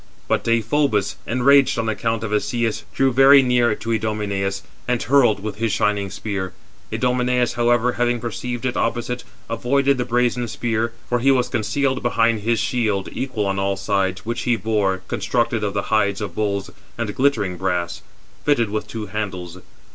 But Deïphobus, enraged on account of Asius, drew very near to Idomeneus, and hurled with his shining spear. Idomeneus, however, having perceived it opposite, avoided the brazen spear, for he was concealed behind his shield equal on all sides, which he bore, constructed of the hides of bulls, and glittering brass, fitted with two handles.